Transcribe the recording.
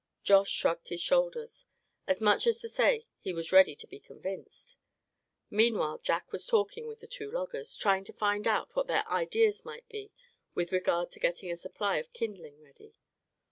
Josh shrugged his shoulders, as much as to say that he was ready to be convinced. Meanwhile Jack was talking with the two loggers, trying to find out what their ideas might be with regard to getting a supply of kindling ready.